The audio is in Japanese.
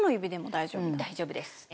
大丈夫です。